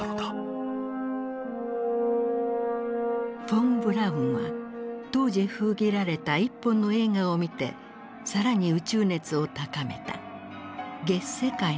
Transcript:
フォン・ブラウンは当時封切られた一本の映画を見て更に宇宙熱を高めた。